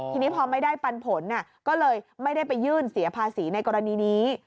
ทีนี้พอไม่ได้ปันผลก็เลยไม่ได้ไปยื่นเสียภาษีในกรณีนี้